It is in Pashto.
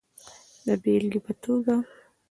د بیلګی په توکه